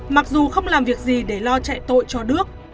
mặc dù không làm việc gì để lo chạy tội cho đước